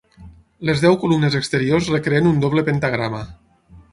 Les deu columnes exteriors recreen un doble pentagrama.